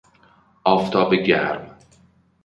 آفتاب گرم